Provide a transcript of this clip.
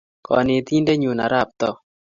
Kanetindennyu arap Too.